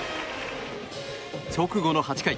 直後の８回。